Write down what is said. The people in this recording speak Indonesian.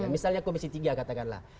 misalnya komisi tiga katakanlah